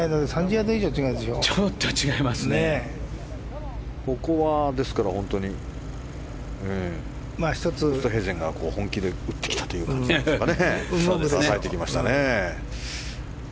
ウーストヘイゼンが本気で打ってきたという感じですかね。